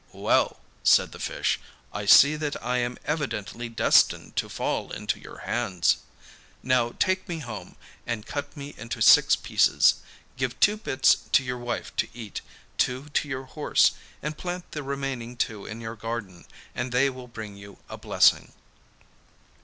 'Well,' said the fish, 'I see that I am evidently destined to fall into your hands. Now take me home, and cut me into six pieces. Give two bits to your wife to eat, two to your horse, and plant the remaining two in your garden, and they will bring you a blessing.